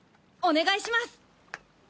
お願いします。